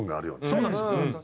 そうなんですよ。